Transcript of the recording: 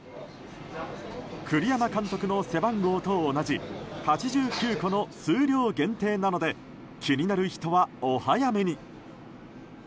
栗山監督の背番号と同じ８９個の数量限定なので気になる人はお早めに。